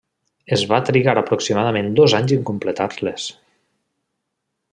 Es va trigar aproximadament dos anys a completar-les.